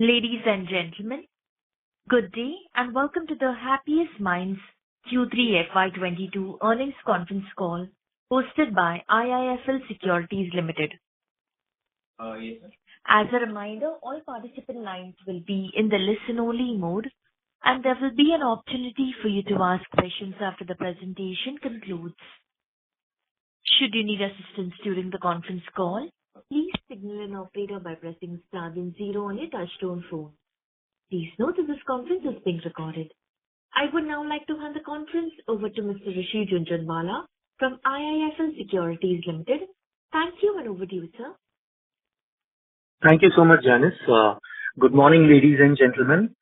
Ladies and gentlemen, good day and welcome to the Happiest Minds Q3 FY 2022 earnings conference call hosted by IIFL Securities Limited. Yes, sir. As a reminder, all participant lines will be in the listen-only mode, and there will be an opportunity for you to ask questions after the presentation concludes. Should you need assistance during the conference call, please signal an operator by pressing star then zero on your touchtone phone. Please note that this conference is being recorded. I would now like to hand the conference over to Mr. Rishi Jhunjhunwala from IIFL Securities Limited. Thank you and over to you, sir. Thank you so much, Janice. Good morning, ladies and gentlemen.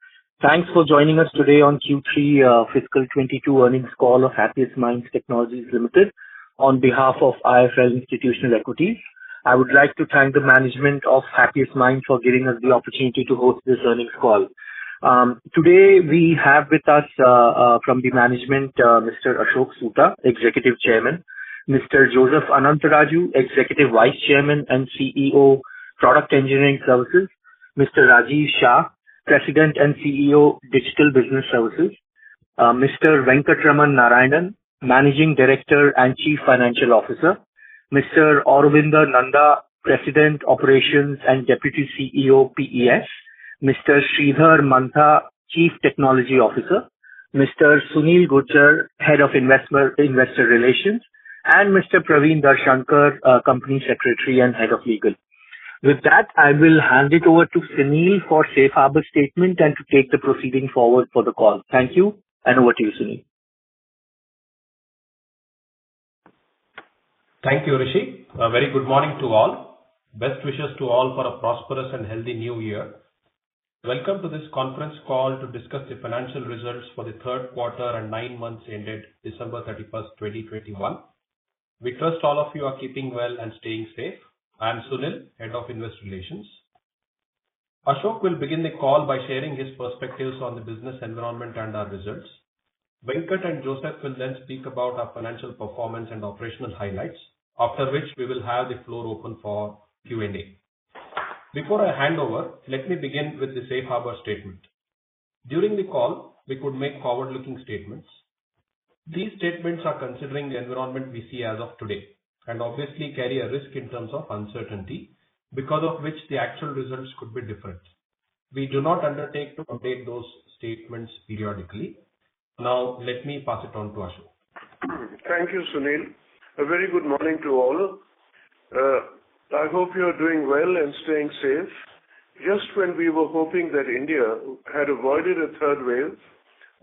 Thanks for joining us today on Q3 fiscal 2022 earnings call of Happiest Minds Technologies Limited on behalf of IIFL Institutional Equities. I would like to thank the management of Happiest Minds for giving us the opportunity to host this earnings call. Today we have with us from the management, Mr. Ashok Soota, Executive Chairman, Mr. Joseph Anantharaju, Executive Vice Chairman and CEO, Product Engineering Services, Mr. Rajiv Shah, President and CEO, Digital Business Services, Mr. Venkatraman Narayanan, Managing Director and Chief Financial Officer, Mr. Aurobinda Nanda, President, Operations and Deputy CEO, PES, Mr. Sridhar Mantha, Chief Technology Officer, Mr. Sunil Gujjar, Head of Investor Relations, and Mr. Praveen Darshankar, Company Secretary and Head of Legal. With that, I will hand it over to Sunil for safe harbor statement and to take the proceeding forward for the call. Thank you, and over to you, Sunil. Thank you, Rishi. A very good morning to all. Best wishes to all for a prosperous and healthy new year. Welcome to this conference call to discuss the financial results for the Q3 and 9 months ended December 31, 2021. We trust all of you are keeping well and staying safe. I am Sunil, Head of Investor Relations. Ashok will begin the call by sharing his perspectives on the business environment and our results. Venkat and Joseph will then speak about our financial performance and operational highlights, after which we will have the floor open for Q&A. Before I hand over, let me begin with the safe harbor statement. During the call, we could make forward-looking statements. These statements are considering the environment we see as of today and obviously carry a risk in terms of uncertainty, because of which the actual results could be different. We do not undertake to update those statements periodically. Now let me pass it on to Ashok. Thank you, Sunil. A very good morning to all. I hope you're doing well and staying safe. Just when we were hoping that India had avoided a third wave,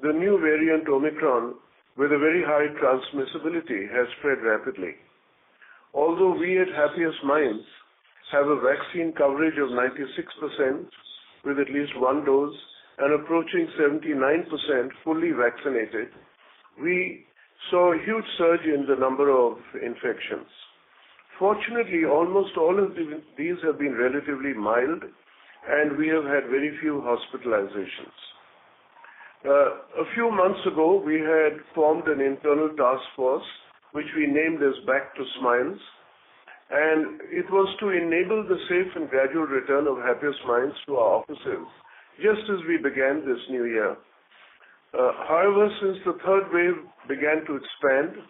the new variant Omicron, with a very high transmissibility, has spread rapidly. Although we at Happiest Minds have a vaccine coverage of 96% with at least one dose and approaching 79% fully vaccinated, we saw a huge surge in the number of infections. Fortunately, almost all of these have been relatively mild, and we have had very few hospitalizations. A few months ago, we had formed an internal task force, which we named as Back to Smiles, and it was to enable the safe and gradual return of Happiest Minds to our offices just as we began this new year. However, since the third wave began to expand,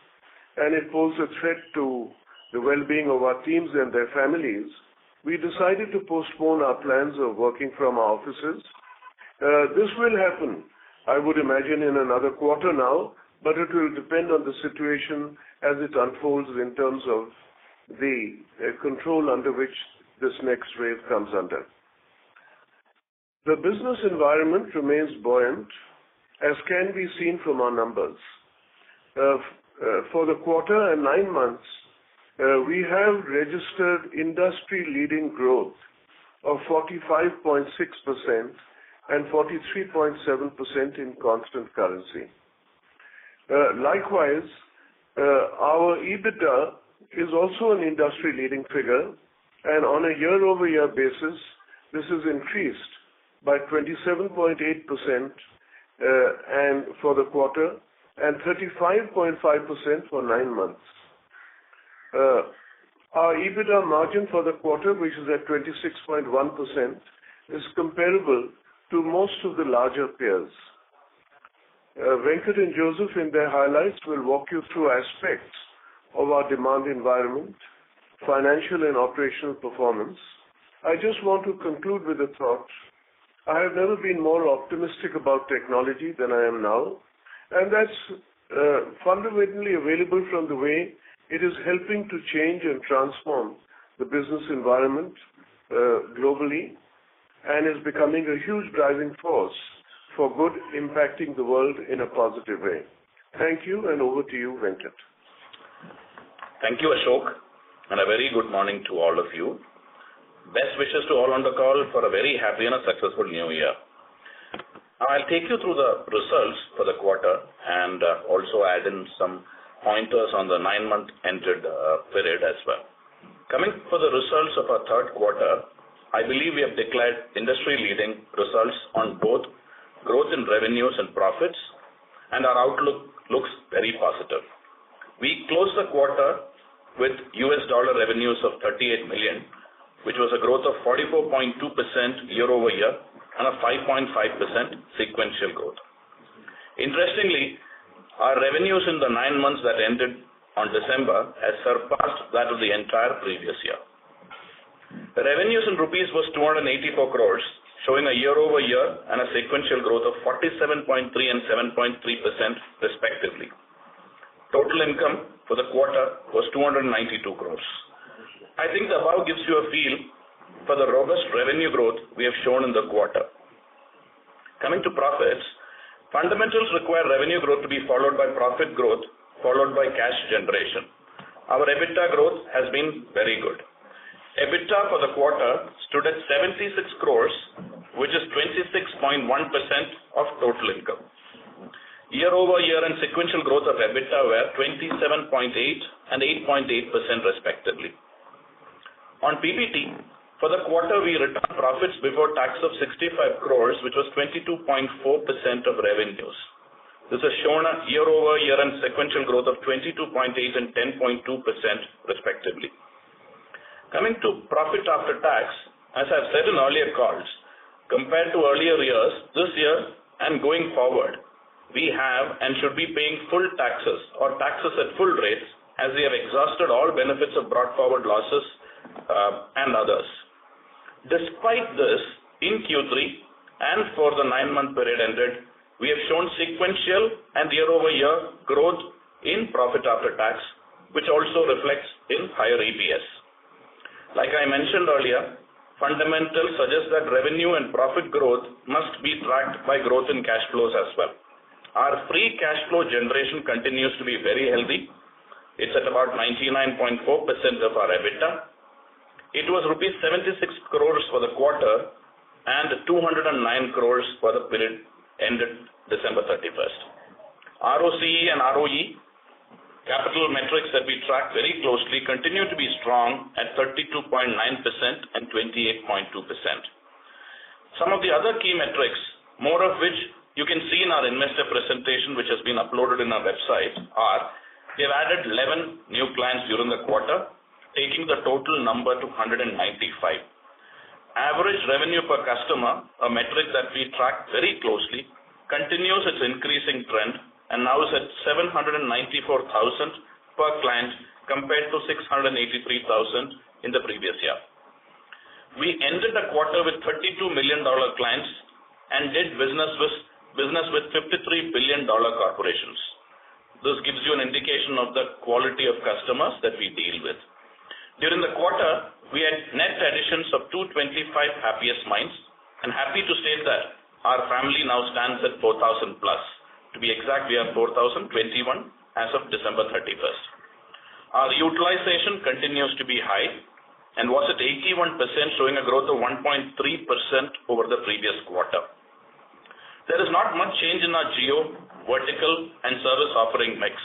and it posed a threat to the well-being of our teams and their families, we decided to postpone our plans of working from our offices. This will happen, I would imagine, in another quarter now, but it will depend on the situation as it unfolds in terms of the control under which this next wave comes under. The business environment remains buoyant, as can be seen from our numbers. For the quarter and nine months, we have registered industry-leading growth of 45.6% and 43.7% in constant currency. Likewise, our EBITDA is also an industry-leading figure, and on a year-over-year basis, this has increased by 27.8%, and for the quarter and 35.5% for nine months. Our EBITDA margin for the quarter, which is at 26.1%, is comparable to most of the larger peers. Venkat and Joseph in their highlights will walk you through aspects of our demand environment, financial and operational performance. I just want to conclude with a thought. I have never been more optimistic about technology than I am now, and that's fundamentally evident from the way it is helping to change and transform the business environment, globally and is becoming a huge driving force for good, impacting the world in a positive way. Thank you, and over to you, Venkat. Thank you, Ashok, and a very good morning to all of you. Best wishes to all on the call for a very happy and a successful new year. I'll take you through the results for the quarter and also add in some pointers on the nine-month ended period as well. Coming to the results of our Q3, I believe we have declared industry-leading results on both. Growth in revenues and profits and our outlook looks very positive. We closed the quarter with $38 million revenues, which was a growth of 44.2% year-over-year and a 5.5% sequential growth. Interestingly, our revenues in the 9 months that ended on December has surpassed that of the entire previous year. Revenues in rupees was 284 crores, showing a year-over-year and a sequential growth of 47.3% and 7.3% respectively. Total income for the quarter was 292 crores. I think the numbers gives you a feel for the robust revenue growth we have shown in the quarter. Coming to profits, fundamentals require revenue growth to be followed by profit growth, followed by cash generation. Our EBITDA growth has been very good. EBITDA for the quarter stood at 76 crore, which is 26.1% of total income. Year-over-year and sequential growth of EBITDA were 27.8% and 8.8% respectively. On PBT, for the quarter we returned profits before tax of 65 crore, which was 22.4% of revenues. This has shown a year-over-year and sequential growth of 22.8% and 10.2% respectively. Coming to profit after tax, as I've said in earlier calls, compared to earlier years, this year and going forward, we have and should be paying full taxes or taxes at full rates as we have exhausted all benefits of brought forward losses and others. Despite this, in Q3 and for the nine-month period ended, we have shown sequential and year-over-year growth in profit after tax, which also reflects in higher EPS. Like I mentioned earlier, fundamentals suggest that revenue and profit growth must be tracked by growth in cash flows as well. Our free cash flow generation continues to be very healthy. It's at about 99.4% of our EBITDA. It was rupees 76 crore for the quarter and 209 crore for the period ended December 31st. ROCE and ROE capital metrics that we track very closely continue to be strong at 32.9% and 28.2%. Some of the other key metrics, more of which you can see in our investor presentation, which has been uploaded in our website are, we have added 11 new clients during the quarter, taking the total number to 195. Average revenue per customer, a metric that we track very closely, continues its increasing trend and now is at 794,000 per client compared to 683,000 in the previous year. We ended the quarter with $32 million clients and did business with $53 billion corporations. This gives you an indication of the quality of customers that we deal with. During the quarter, we had net additions of 225 Happiest Minds, and happy to say that our family now stands at 4,000+. To be exact, we have 4,021 as of December 31. Our utilization continues to be high and was at 81%, showing a growth of 1.3% over the previous quarter. There is not much change in our geo, vertical, and service offering mix.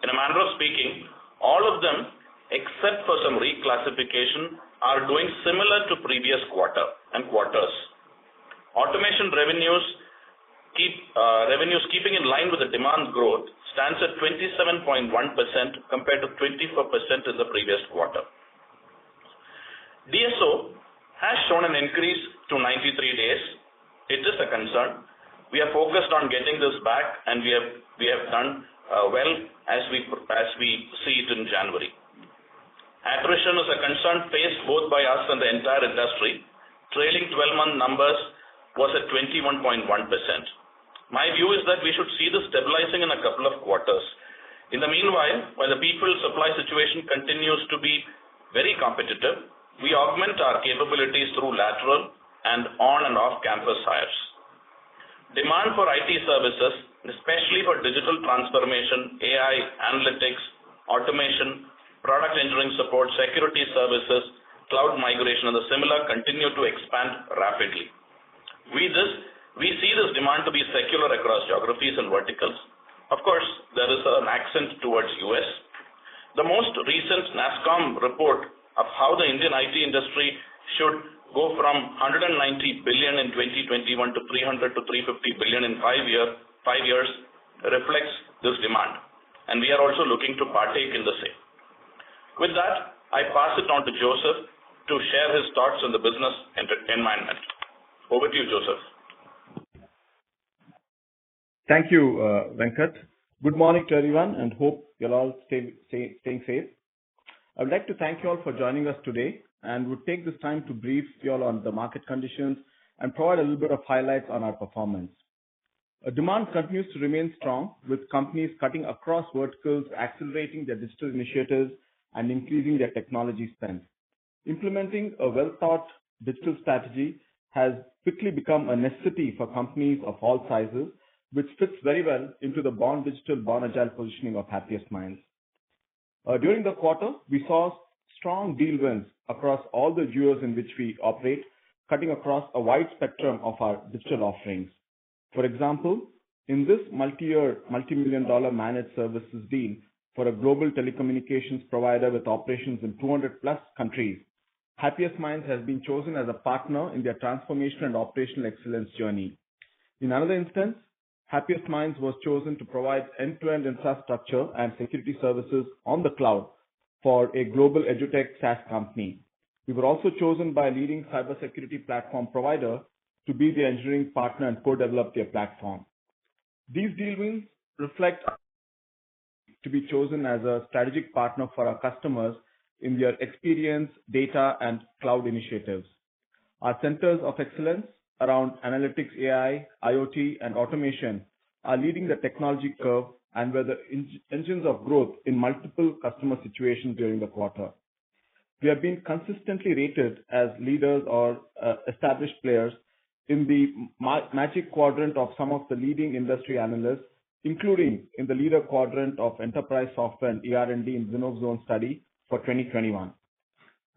In a manner of speaking, all of them except for some reclassification are doing similar to previous quarter and quarters. Automation revenues keeping in line with the demand growth stands at 27.1% compared to 24% in the previous quarter. DSO has shown an increase to 93 days. It is a concern. We are focused on getting this back, and we have done well as we see it in January. Attrition is a concern faced both by us and the entire industry. Trailing twelve-month numbers was at 21.1%. My view is that we should see this stabilizing in a couple of quarters. In the meanwhile, while the people supply situation continues to be very competitive, we augment our capabilities through lateral and on and off-campus hires. Demand for IT services, especially for digital transformation, AI, analytics, automation, product engineering support, security services, cloud migration, and the similar, continues to expand rapidly. We see this demand to be secular across geographies and verticals. Of course, there is an accent towards U.S. The most recent NASSCOM report of how the Indian IT industry should go from $190 billion in 2021 to $300-$350 billion in five years reflects this demand, and we are also looking to partake in the same. With that, I pass it on to Joseph to share his thoughts on the business environment. Over to you, Joseph. Thank you, Venkat. Good morning to everyone, and hope you're all staying safe. I would like to thank you all for joining us today and would take this time to brief you all on the market conditions and provide a little bit of highlights on our performance. Demand continues to remain strong, with companies cutting across verticals, accelerating their digital initiatives, and increasing their technology spend. Implementing a well-thought digital strategy has quickly become a necessity for companies of all sizes, which fits very well into the born digital, born agile positioning of Happiest Minds. During the quarter, we saw strong deal wins across all the geos in which we operate, cutting across a wide spectrum of our digital offerings. For example, in this multi-year, $ multi-million managed services deal for a global telecommunications provider with operations in 200+ countries. Happiest Minds has been chosen as a partner in their transformation and operational excellence journey. In another instance, Happiest Minds was chosen to provide end-to-end infrastructure and security services on the cloud for a global EdTech SaaS company. We were also chosen by a leading cybersecurity platform provider to be their engineering partner and co-develop their platform. These dealings reflect to be chosen as a strategic partner for our customers in their experience, data, and cloud initiatives. Our centers of excellence around analytics, AI, IoT, and automation are leading the technology curve and were the engines of growth in multiple customer situations during the quarter. We have been consistently rated as leaders or established players in the magic quadrant of some of the leading industry analysts, including in the leader quadrant of enterprise software and ER&D in Zinnov Zones study for 2021.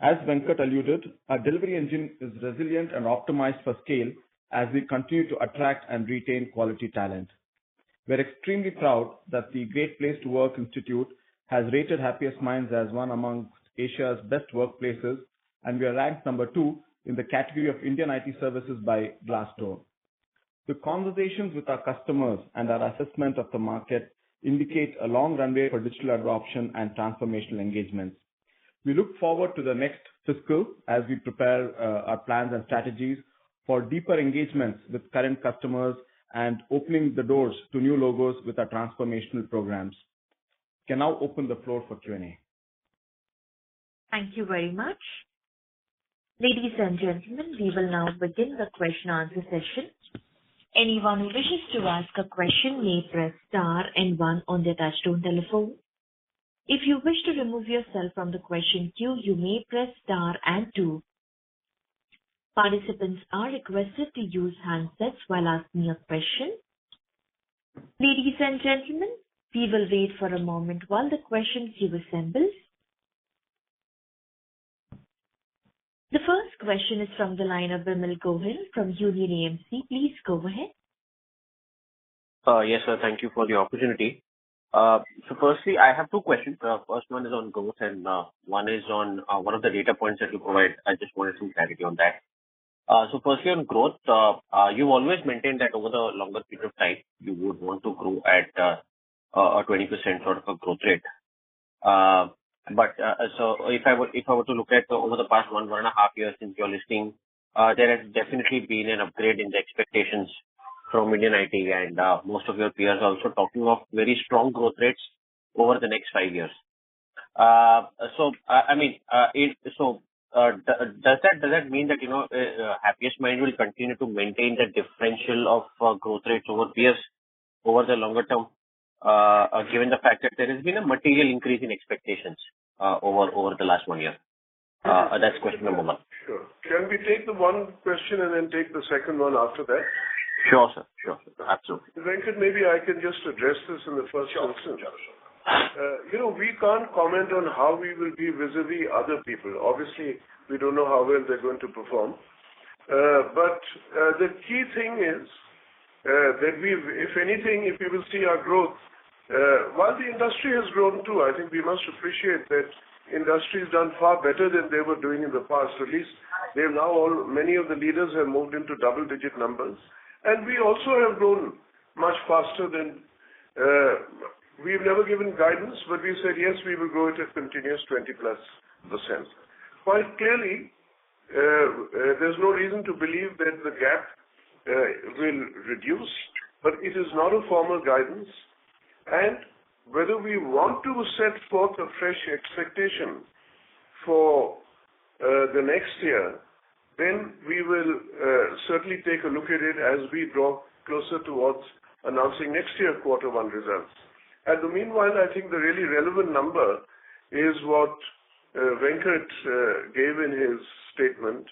As Venkat alluded, our delivery engine is resilient and optimized for scale as we continue to attract and retain quality talent. We're extremely proud that the Great Place to Work Institute has rated Happiest Minds as one amongst Asia's best workplaces, and we are ranked number two in the category of Indian IT services by Glassdoor. The conversations with our customers and our assessment of the market indicate a long runway for digital adoption and transformational engagements. We look forward to the next fiscal as we prepare our plans and strategies for deeper engagements with current customers and opening the doors to new logos with our transformational programs. We can now open the floor for Q&A. Thank you very much. Ladies and gentlemen, we will now begin the question/answer session. Anyone who wishes to ask a question may press star and one on their touchtone telephone. If you wish to remove yourself from the question queue, you may press star and two. Participants are requested to use handsets while asking a question. Ladies and gentlemen, we will wait for a moment while the questions assemble. The first question is from the line of Vimal Gohil from Union AMC. Please go ahead. Yes, sir. Thank you for the opportunity. Firstly, I have two questions. First one is on growth and one is on one of the data points that you provide. I just wanted some clarity on that. Firstly on growth. You've always maintained that over the longer period of time, you would want to grow at a 20% sort of a growth rate. If I were to look at over the past 1.5 years since your listing, there has definitely been an upgrade in the expectations from Indian IT. Most of your peers are also talking of very strong growth rates over the next 5 years. I mean, is Does that mean that, you know, Happiest Minds will continue to maintain the differential of growth rates over peers over the longer term, given the fact that there has been a material increase in expectations over the last one year? That's question number one. Sure. Can we take the one question and then take the second one after that? Sure, sir. Sure. Absolutely. Venkat, maybe I can just address this in the first instance. Sure. Sure. You know, we can't comment on how we will be vis-a-vis other people. Obviously, we don't know how well they're going to perform. The key thing is that if anything, if you will see our growth, while the industry has grown too, I think we must appreciate that industry has done far better than they were doing in the past. At least many of the leaders have moved into double digit numbers. We also have grown much faster than. We've never given guidance, but we said, yes, we will grow it at continuous 20%+. Quite clearly, there's no reason to believe that the gap will reduce, but it is not a formal guidance. Whether we want to set forth a fresh expectation for the next year, then we will certainly take a look at it as we draw closer towards announcing next year quarter one results. In the meanwhile, I think the really relevant number is what Venkat gave in his statement,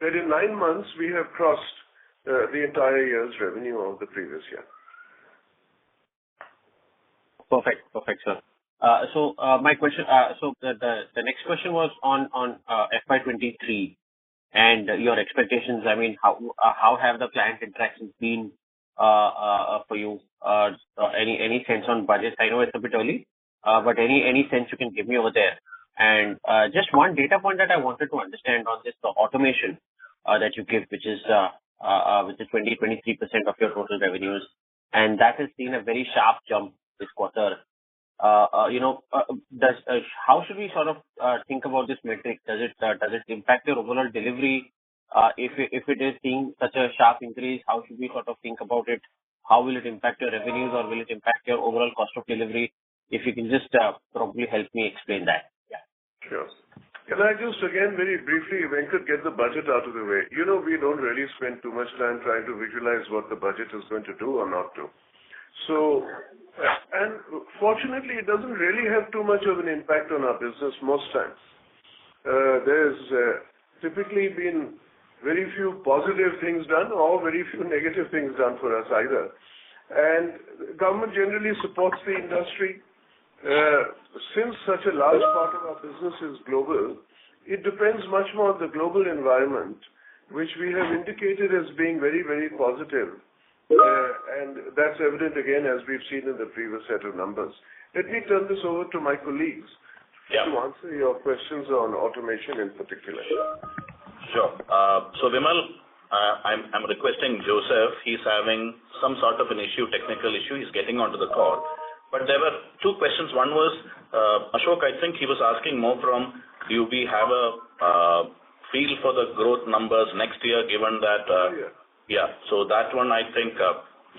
that in nine months we have crossed the entire year's revenue of the previous year. Perfect. Perfect, sir. My question, the next question was on FY 2023 and your expectations. I mean, how have the client interactions been for you? Any sense on budget? I know it's a bit early, but any sense you can give me over there. Just one data point that I wanted to understand on this, the automation that you give, which is 23% of your total revenues, and that has seen a very sharp jump this quarter. You know, how should we sort of think about this metric? Does it impact your overall delivery? If it is seeing such a sharp increase, how should we sort of think about it? How will it impact your revenues, or will it impact your overall cost of delivery? If you can just, probably help me explain that. Yeah. Sure. Can I just again, very briefly, Venkatraman, get the budget out of the way. You know, we don't really spend too much time trying to visualize what the budget is going to do or not do. Fortunately, it doesn't really have too much of an impact on our business most times. There's typically been very few positive things done or very few negative things done for us either. Government generally supports the industry. Since such a large part of our business is global, it depends much more on the global environment, which we have indicated as being very, very positive. That's evident again, as we've seen in the previous set of numbers. Let me turn this over to my colleagues. Yeah. To answer your questions on automation in particular. Sure. So Vimal, I'm requesting Joseph. He's having some sort of an issue, technical issue. He's getting onto the call. There were two questions. One was, Ashok, I think he was asking more from do we have a, feel for the growth numbers next year given that, Yeah. Yeah. That one, I think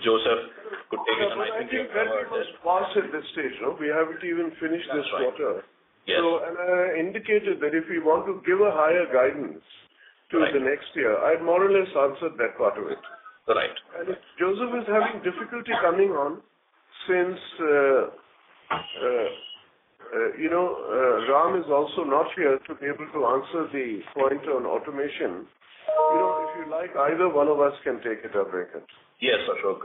Joseph could take it. I think very first pass at this stage. No, we haven't even finished this quarter. That's right. Yes. I indicated that if we want to give a higher guidance. Right. to the next year, I more or less answered that part of it. Right. If Joseph is having difficulty coming on since, you know, Rajiv is also not here to be able to answer the point on automation. You know, if you like, either one of us can take it or break it. Yes, Ashok.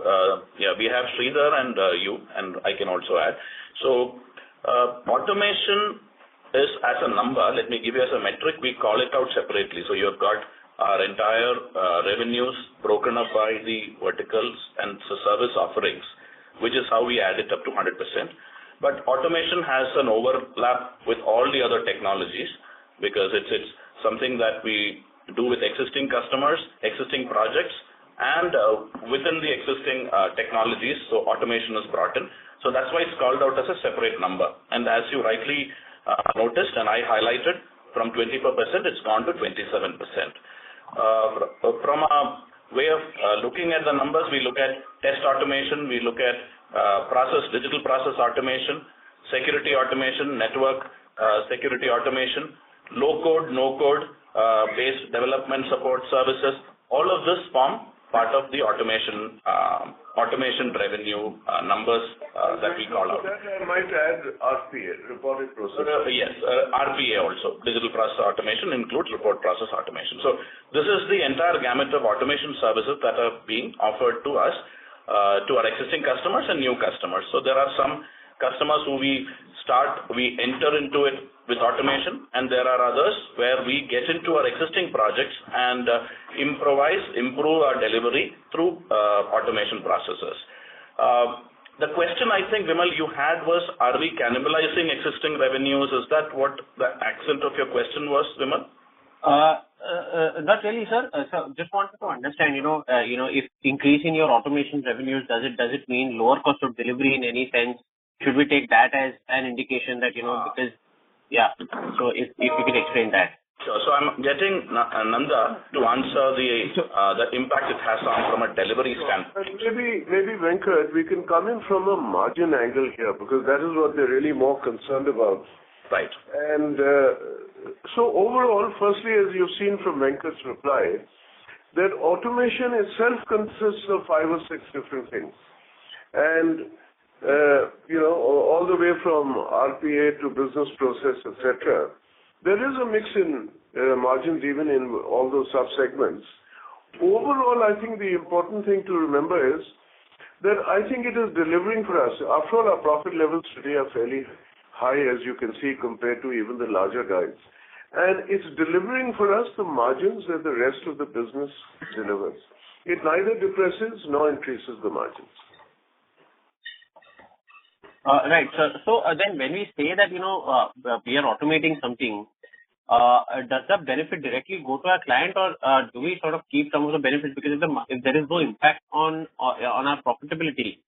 Yeah, we have Sridhar and you, and I can also add. Automation as a number. Let me give you a metric. We call it out separately. You have got our entire revenues broken up by the verticals and service offerings, which is how we add it up to 100%. Automation has an overlap with all the other technologies because it's something that we do with existing customers, existing projects, and within the existing technologies. Automation is brought in. That's why it's called out as a separate number. As you rightly noticed and I highlighted from 24%, it's gone to 27%. From a way of looking at the numbers, we look at test automation, digital process automation, security automation, network security automation, low code/no code based development support services. All of this form part of the automation revenue numbers that we call out. I might add RPA, robotic process automation. Yes. RPA also. Digital process automation includes robotic process automation. This is the entire gamut of automation services that are being offered to us, to our existing customers and new customers. There are some customers who we enter into it with automation, and there are others where we get into our existing projects and, improve our delivery through automation processes. The question I think, Vimal, you had was, are we cannibalizing existing revenues? Is that what the aspect of your question was, Vimal? Not really, sir. Just wanted to understand, you know, if increasing your automation revenues does it mean lower cost of delivery in any sense? Should we take that as an indication that, you know, because yeah. If you can explain that. I'm getting Nanda to answer the impact it has on from a delivery standpoint. Maybe, Venkat, we can come in from a margin angle here because that is what they're really more concerned about. Right. Overall, firstly, as you've seen from Venkat's reply, that automation itself consists of five or six different things. You know, all the way from RPA to business process, et cetera. There is a mix in margins even in all those subsegments. Overall, I think the important thing to remember is that I think it is delivering for us. After all, our profit levels today are fairly high, as you can see, compared to even the larger guys. It's delivering for us the margins that the rest of the business delivers. It neither depresses nor increases the margins. Right. When we say that, you know, we are automating something, does that benefit directly go to our client or do we sort of keep some of the benefits? Because if there is no impact on our profitability,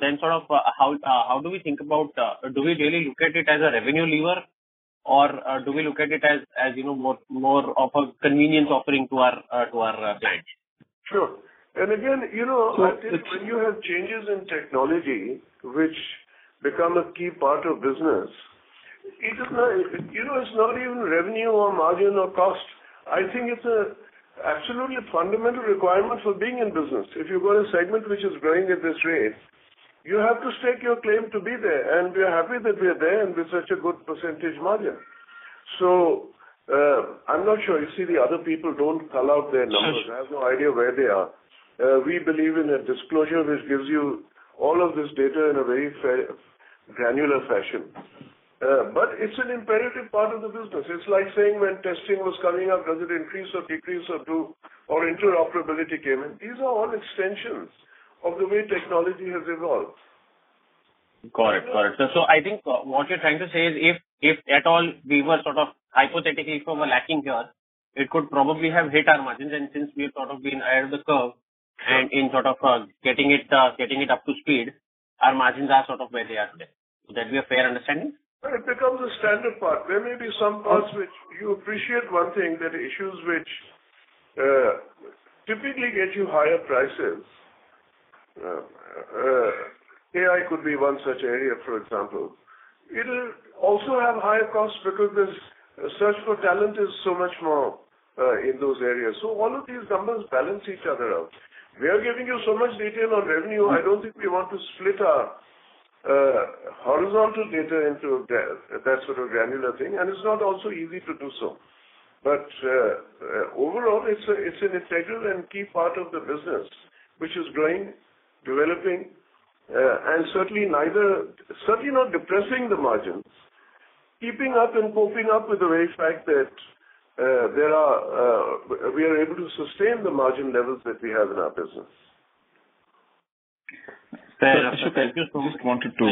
then sort of, how do we think about, do we really look at it as a revenue lever, or do we look at it as you know, more of a convenience offering to our clients? Sure. Again, you know, I think when you have changes in technology which become a key part of business, it is not. You know, it's not even revenue or margin or cost. I think it's an absolutely fundamental requirement for being in business. If you've got a segment which is growing at this rate, you have to stake your claim to be there, and we're happy that we're there and with such a good percentage margin. I'm not sure. You see the other people don't call out their numbers. I have no idea where they are. We believe in a disclosure which gives you all of this data in a very fair granular fashion. It's an imperative part of the business. It's like saying when testing was coming up, does it increase or decrease or do or interoperability came in? These are all extensions of the way technology has evolved. Got it. I think what you're trying to say is if at all we were sort of hypothetically if we were lacking here, it could probably have hit our margins. Since we've sort of been ahead of the curve and in sort of getting it up to speed, our margins are sort of where they are today. Would that be a fair understanding? Well, it becomes a standard part. There may be some parts which you appreciate one thing, that issues which typically get you higher prices. AI could be one such area, for example. It'll also have higher costs because this search for talent is so much more in those areas. All of these numbers balance each other out. We are giving you so much detail on revenue. I don't think we want to split our horizontal data into that sort of granular thing, and it's not also easy to do so. Overall, it's an integral and key part of the business, which is growing, developing, and certainly not depressing the margins, keeping up and coping up with the very fact that we are able to sustain the margin levels that we have in our business. Sir, Ashok, I just wanted to.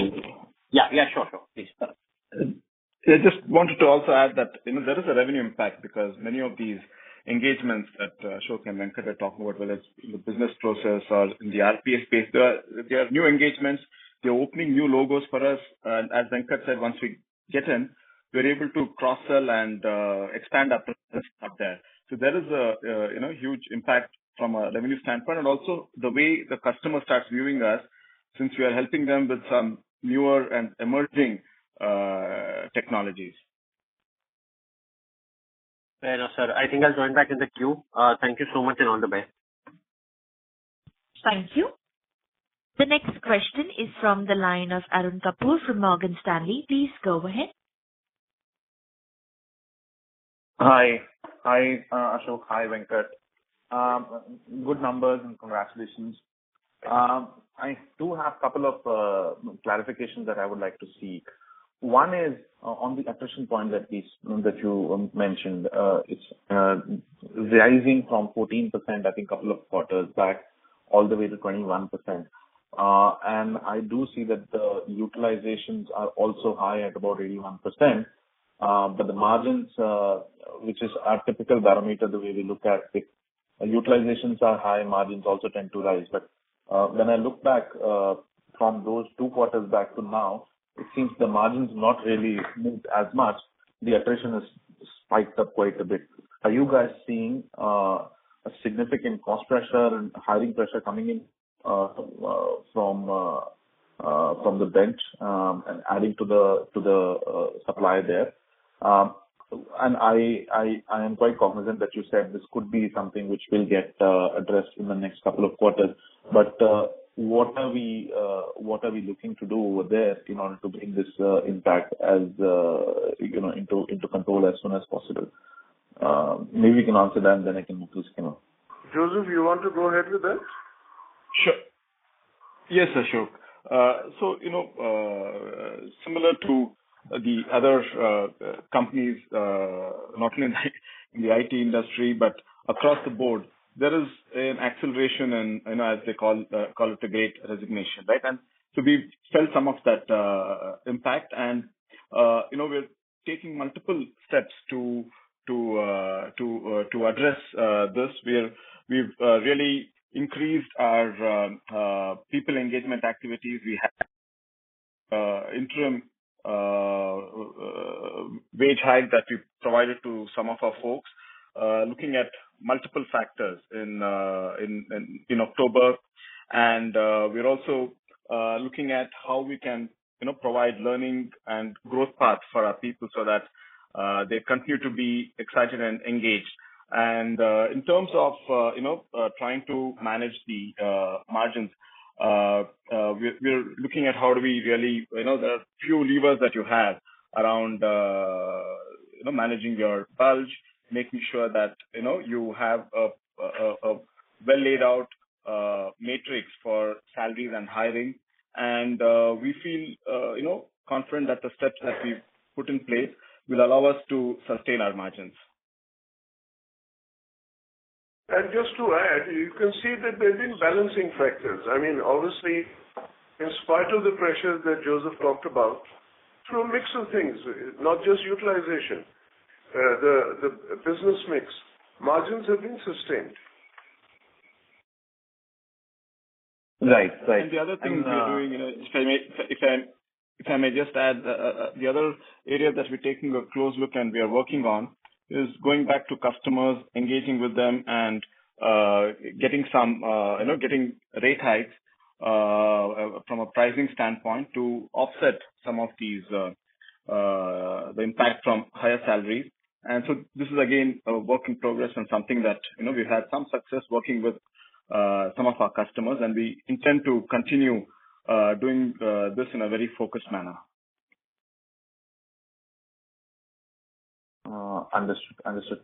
Yeah, sure. Please. I just wanted to also add that, you know, there is a revenue impact because many of these engagements that Ashok and Venkat are talking about, whether it's the business process or in the RPA space, they are new engagements. They're opening new logos for us. And as Venkat said, once we get in, we're able to cross-sell and expand our presence out there. So there is a, you know, huge impact from a revenue standpoint, and also the way the customer starts viewing us since we are helping them with some newer and emerging technologies. Fair enough, sir. I think I'll join back in the queue. Thank you so much, and all the best. Thank you. The next question is from the line of Arun Kapoor from Morgan Stanley. Please go ahead. Hi. Hi, Ashok. Hi, Venkat. Good numbers, and congratulations. I do have couple of clarifications that I would like to seek. One is on the attrition point that you mentioned. It's rising from 14%, I think couple of quarters back all the way to 21%. I do see that the utilizations are also high at about 81%. The margins, which is our typical barometer, the way we look at it, utilizations are high, margins also tend to rise. When I look back from those two quarters back to now, it seems the margins have not really moved as much. The attrition has spiked up quite a bit. Are you guys seeing a significant cost pressure and hiring pressure coming in from the bench and adding to the supply there? I am quite cognizant that you said this could be something which will get addressed in the next couple of quarters. What are we looking to do over there in order to bring this impact as you know into control as soon as possible? Maybe you can answer that, and then I can move to Skimmer. Joseph, you want to go ahead with that? Sure. Yes, Ashok. So, you know, similar to the other companies, not only in the IT industry, but across the board, there is an acceleration and, you know, as they call it the great resignation, right? We've felt some of that impact and, you know, we're taking multiple steps to address this. We've really increased our people engagement activities. We have interim wage hike that we've provided to some of our folks, looking at multiple factors in October. We're also looking at how we can, you know, provide learning and growth paths for our people so that they continue to be excited and engaged. In terms of, you know, trying to manage the margins, we're looking at how we really do. You know, there are few levers that you have around, you know, managing your bench, making sure that, you know, you have a well laid out matrix for salaries and hiring. We feel, you know, confident that the steps that we've put in place will allow us to sustain our margins. Just to add, you can see that there have been balancing factors. I mean, obviously, in spite of the pressures that Joseph talked about, through a mix of things, not just utilization, the business mix margins have been sustained. Right. The other thing we're doing, if I may just add, the other area that we're taking a close look and we are working on is going back to customers, engaging with them, and getting some, you know, getting rate hikes from a pricing standpoint to offset some of these, the impact from higher salaries. This is again a work in progress and something that, you know, we've had some success working with some of our customers, and we intend to continue doing this in a very focused manner. Understood.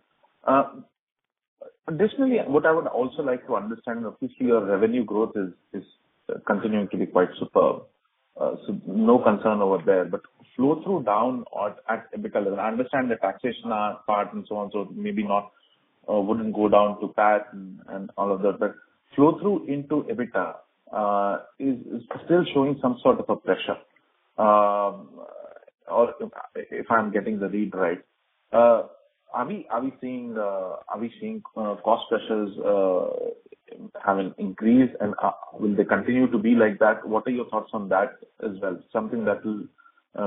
Additionally, what I would also like to understand, obviously your revenue growth is continuing to be quite superb. No concern over there. Flow-through to EBITDA level. I understand the taxation part and so on, so maybe not, wouldn't go down to PAT and all of that. Flow-through into EBITDA is still showing some sort of a pressure. Or if I'm getting the read right. Are we seeing cost pressures having increased, and will they continue to be like that? What are your thoughts on that as well? Something that will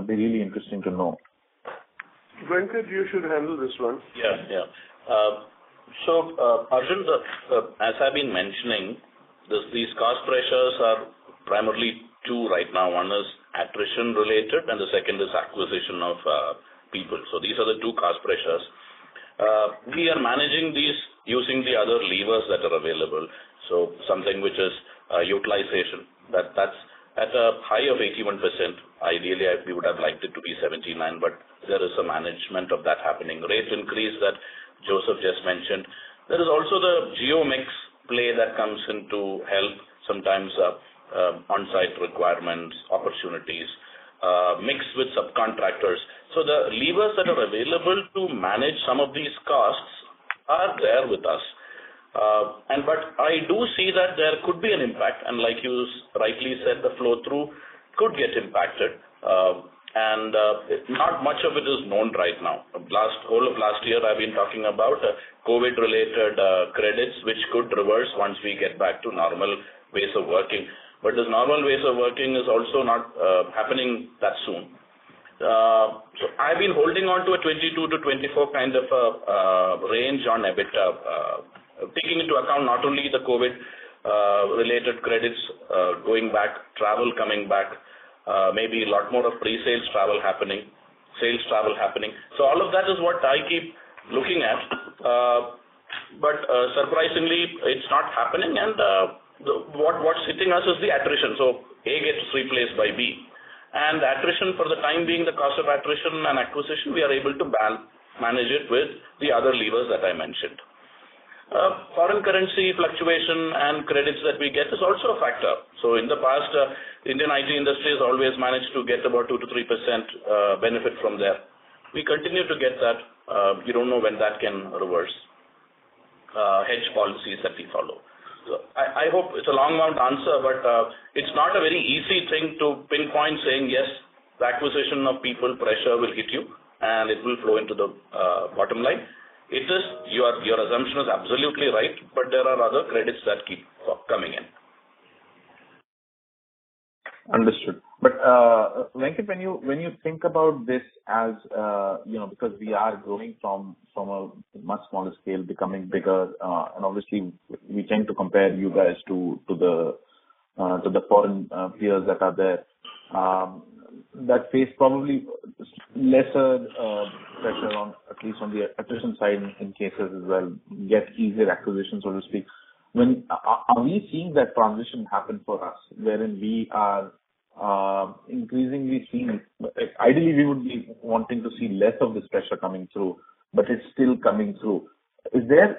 be really interesting to know. Venkat, you should handle this one. Yeah. So, Arjun, as I've been mentioning, these cost pressures are primarily two right now. One is attrition related, and the second is acquisition of people. These are the two cost pressures. We are managing these using the other levers that are available. Something which is utilization. That's at a high of 81%. Ideally, we would have liked it to be 79, but there is a management of that happening. Rate increase that Joseph just mentioned. There is also the geo mix play that comes in to help sometimes, on-site requirements, opportunities, mixed with subcontractors. The levers that are available to manage some of these costs are there with us. But I do see that there could be an impact. Like you rightly said, the flow-through could get impacted. Not much of it is known right now. Whole of last year I've been talking about COVID-related credits which could reverse once we get back to normal ways of working. This normal ways of working is also not happening that soon. I've been holding on to a 22%-24% kind of range on EBITDA taking into account not only the COVID-related credits going back, travel coming back, maybe a lot more of pre-sales travel happening, sales travel happening. All of that is what I keep looking at. Surprisingly, it's not happening. What's hitting us is the attrition. A gets replaced by B. The attrition for the time being, the cost of attrition and acquisition, we are able to manage it with the other levers that I mentioned. Foreign currency fluctuation and credits that we get is also a factor. In the past, Indian IT industry has always managed to get about 2%-3% benefit from there. We continue to get that. We don't know when that can reverse, hedge policies that we follow. I hope it's a long-winded answer, but it's not a very easy thing to pinpoint saying, yes, the acquisition of people pressure will hit you, and it will flow into the bottom line. It is. Your assumption is absolutely right, but there are other credits that keep coming in. Understood. Venkat, when you think about this as you know, because we are growing from a much smaller scale becoming bigger, and obviously we tend to compare you guys to the foreign peers that are there that face probably lesser pressure on at least the attrition side in cases as well, get easier acquisition, so to speak. Are we seeing that transition happen for us wherein we are increasingly seeing. Ideally, we would be wanting to see less of this pressure coming through, but it's still coming through. Are you guys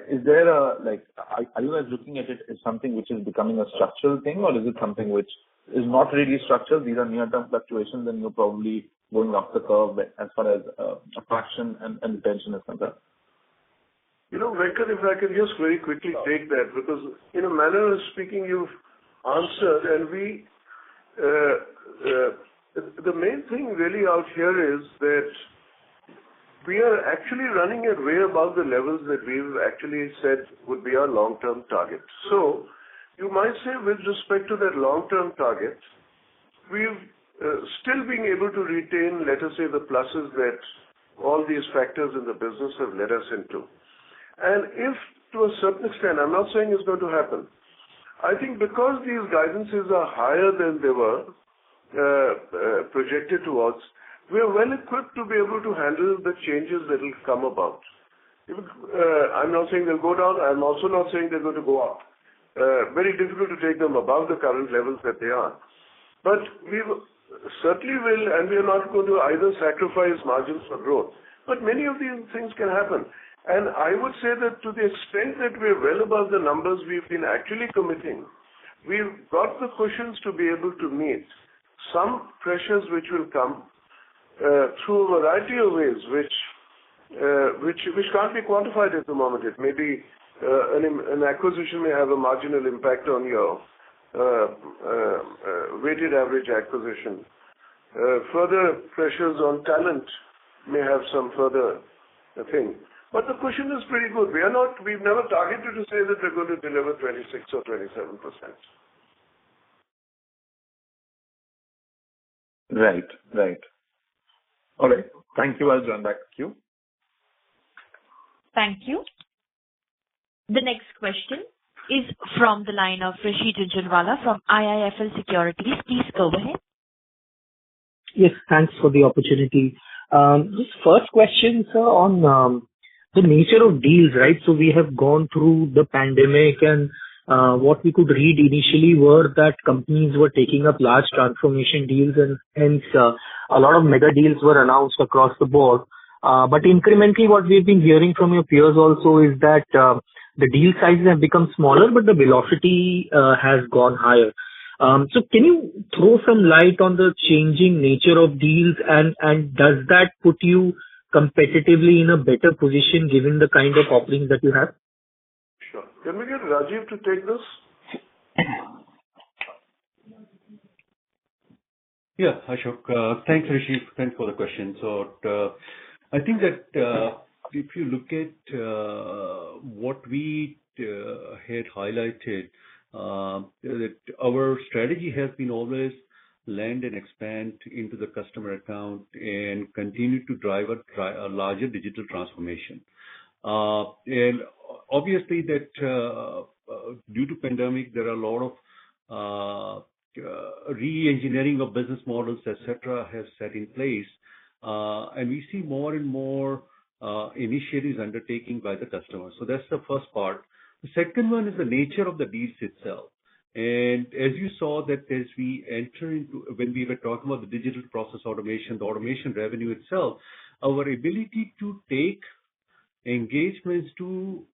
looking at it as something which is becoming a structural thing, or is it something which is not really structural, these are near-term fluctuations and you're probably going off the curve as far as attraction and retention is concerned? You know, Venkat, if I can just very quickly take that because in a manner of speaking, you've answered and we, the main thing really out here is that we are actually running at way above the levels that we've actually said would be our long-term target. You might say with respect to that long-term target, we've still been able to retain, let us say, the pluses that all these factors in the business have led us into. If to a certain extent, I'm not saying it's going to happen, I think because these guidances are higher than they were projected towards, we are well-equipped to be able to handle the changes that will come about. I'm not saying they'll go down. I'm also not saying they're going to go up. Very difficult to take them above the current levels that they are. We certainly will, and we are not going to either sacrifice margins for growth. Many of these things can happen. I would say that to the extent that we're well above the numbers we've been actually committing, we've got the cushions to be able to meet some pressures which will come through a variety of ways which can't be quantified at the moment. It may be, an acquisition may have a marginal impact on your weighted average acquisition. Further pressures on talent may have some further thing. The cushion is pretty good. We've never targeted to say that we're going to deliver 26% or 27%. Right. All right. Thank you, Ashok. Back to you. Thank you. The next question is from the line of Rishi Jhunjhunwala from IIFL Securities. Please go ahead. Yes, thanks for the opportunity. Just first question, sir, on the nature of deals, right? We have gone through the pandemic and what we could read initially were that companies were taking up large transformation deals and hence a lot of mega deals were announced across the board. Incrementally, what we've been hearing from your peers also is that the deal sizes have become smaller, but the velocity has gone higher. Can you throw some light on the changing nature of deals and does that put you competitively in a better position given the kind of offerings that you have? Sure. Can we get Rajiv to take this? Yeah. Ashok, thanks, Rishi. Thanks for the question. I think that if you look at what we had highlighted, that our strategy has been always land and expand into the customer account and continue to drive a larger digital transformation. Obviously that due to pandemic, there are a lot of re-engineering of business models, et cetera, has set in place. We see more and more initiatives undertaking by the customer. That's the first part. The second one is the nature of the deals itself. As you saw that, when we were talking about the digital process automation, the automation revenue itself, our ability to take engagements to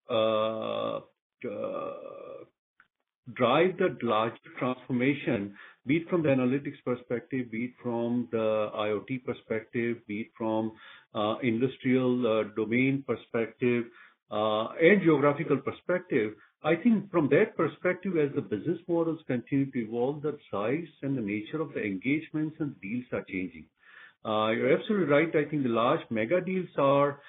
drive that large transformation, be it from the analytics perspective, be it from the IoT perspective, be it from industrial domain perspective and geographical perspective. I think from that perspective, as the business models continue to evolve, the size and the nature of the engagements and deals are changing. You're absolutely right. I think the large mega deals are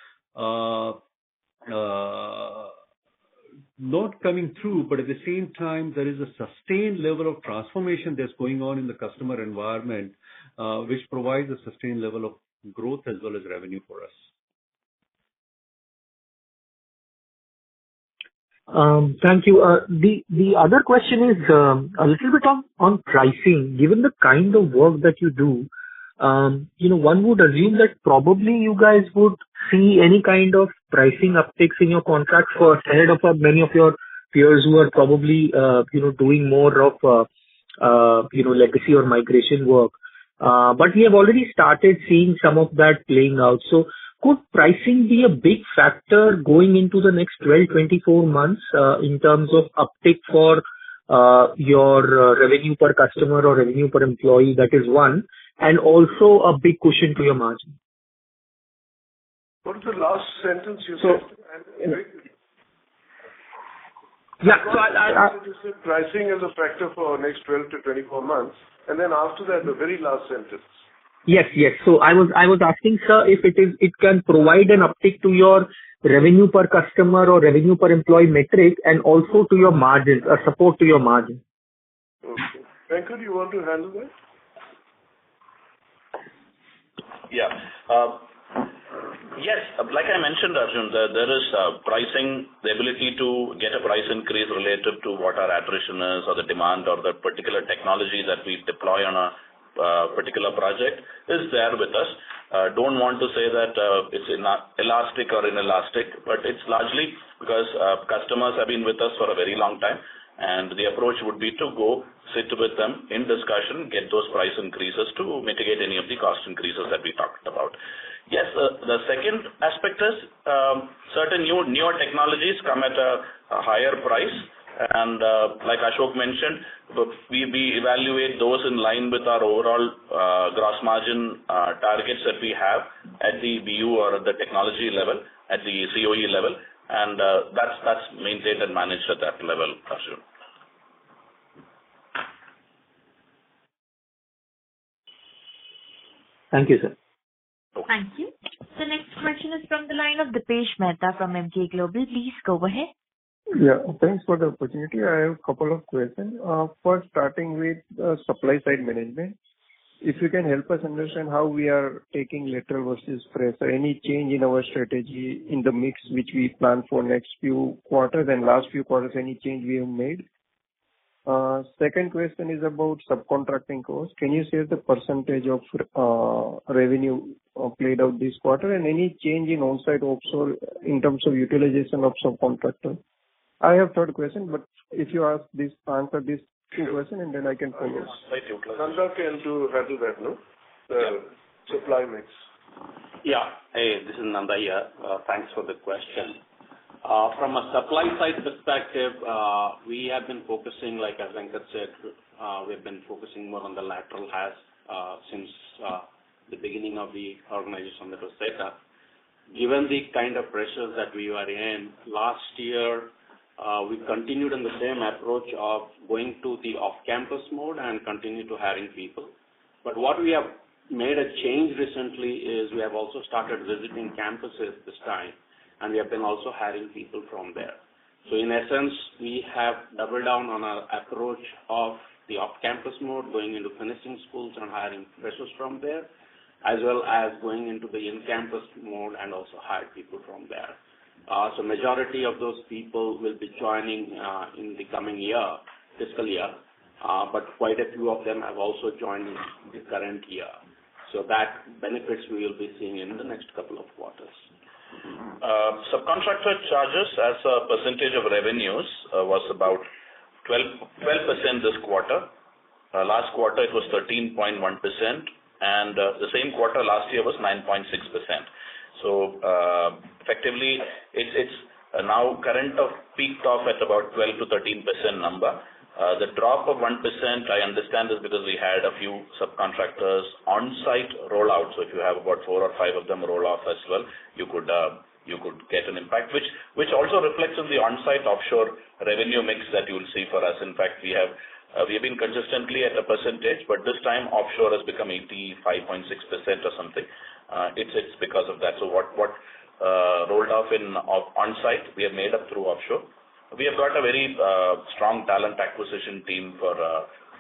not coming through, but at the same time, there is a sustained level of transformation that's going on in the customer environment, which provides a sustained level of growth as well as revenue for us. Thank you. The other question is a little bit on pricing. Given the kind of work that you do, you know, one would assume that probably you guys would see any kind of pricing upticks in your contract first ahead of many of your peers who are probably you know, doing more of you know, legacy or migration work. We have already started seeing some of that playing out. Could pricing be a big factor going into the next 12, 24 months, in terms of uptick for your revenue per customer or revenue per employee? That is one. Also a big cushion to your margin. What was the last sentence you said? So- I didn't... Yeah. I You said pricing is a factor for next 12-24 months, and then after that, the very last sentence. Yes. I was asking, sir, if it can provide an uptick to your revenue per customer or revenue per employee metric, and also to your margins or support to your margins. Okay. Venkat, do you want to handle that? Yes. Like I mentioned, Arjun, there is pricing. The ability to get a price increase related to what our attrition is or the demand or the particular technology that we deploy on a particular project is there with us. Don't want to say that it's inelastic, but it's largely because customers have been with us for a very long time, and the approach would be to go sit with them in discussion, get those price increases to mitigate any of the cost increases that we talked about. Yes. The second aspect is, certain newer technologies come at a higher price. Like Ashok mentioned, we evaluate those in line with our overall gross margin targets that we have at the BU or at the technology level, at the COE level. That's maintained and managed at that level, Arjun. Thank you, sir. Thank you. The next question is from the line of Dipesh Mehta from Emkay Global Financial Services. Please go ahead. Yeah, thanks for the opportunity. I have a couple of questions. First starting with supply side management. If you can help us understand how we are taking lateral versus fresh or any change in our strategy in the mix which we plan for next few quarters and last few quarters, any change we have made. Second question is about subcontracting costs. Can you share the percentage of revenue paid out this quarter? And any change in on-site offshore in terms of utilization of subcontractor? I have third question, but answer these two questions, and then I can proceed. Thank you. Nanda can handle that, no? The supply mix. Yeah. Hey, this is Aurobinda Nanda here. Thanks for the question. From a supply side perspective, we have been focusing, like as Venkatraman Narayanan said, we've been focusing more on the lateral hires since the beginning of the organization, Rosetta. Given the kind of pressures that we are in, last year, we continued on the same approach of going to the off-campus mode and continue to hiring people. What we have made a change recently is we have also started visiting campuses this time, and we have been also hiring people from there. In essence, we have doubled down on our approach of the off-campus mode, going into finishing schools and hiring freshers from there, as well as going into the in-campus mode and also hire people from there. Majority of those people will be joining in the coming year, fiscal year. Quite a few of them have also joined the current year. That benefits we will be seeing in the next couple of quarters. Subcontractor charges as a percentage of revenues was about 12% this quarter. Last quarter it was 13.1%, and the same quarter last year was 9.6%. Effectively, it's now come off the peak of about 12%-13%. The drop of 1% I understand is because we had a few subcontractors on-site roll off. If you have about 4 or 5 of them roll off as well, you could get an impact which also reflects on the on-site offshore revenue mix that you'll see for us. In fact, we've been consistently at a percentage, but this time offshore has become 85.6% or something. It's because of that. What rolled off in off-site, we have made up through offshore. We have got a very strong talent acquisition team for